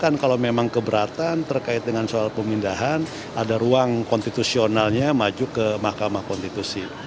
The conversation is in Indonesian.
karena kalau memang keberatan terkait dengan soal pemindahan ada ruang konstitusionalnya maju ke mahkamah konstitusi